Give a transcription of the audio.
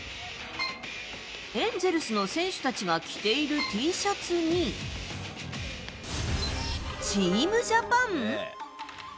エンゼルスの選手たちが着ているＴシャツに、チームジャパン？